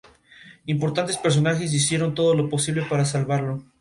Importantes personajes hicieron todo lo posible para salvarlo.